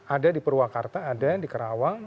ada di purwakarta ada yang di kerawang